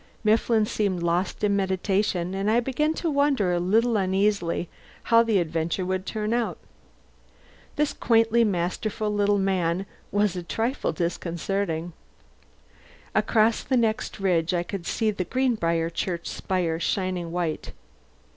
Mifflin seemed lost in meditation, and I began to wonder, a little uneasily, how the adventure would turn out. This quaintly masterful little man was a trifle disconcerting. Across the next ridge I could see the Greenbriar church spire shining white.